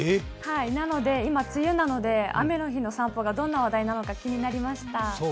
なので今、梅雨なので雨の日の散歩がどんな話題なのか気になりました。